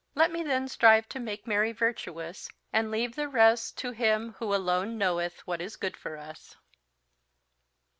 Let me then strive to make Mary virtuous, and leave the rest to Him who alone knoweth what is good for us!"